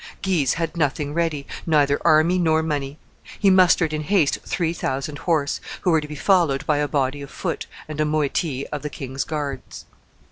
Guise had nothing ready, neither army nor money; he mustered in haste three thousand horse, who were to be followed by a body of foot and a moiety of the king's guards.